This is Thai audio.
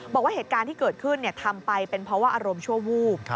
บอกว่าเหตุการณ์ที่เกิดขึ้นทำไปเป็นเพราะว่าอารมณ์ชั่ววูบ